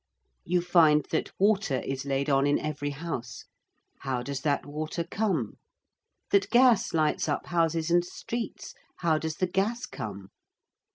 You find that water is laid on in every house. How does that water come? That gas lights up houses and streets. How does the gas come?